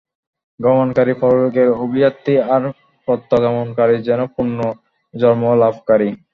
গমনকারী পরলোকের অভিযাত্রী আর প্রত্যাগমনকারী যেন পুনঃ জন্মলাভকারী।